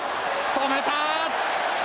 止めた！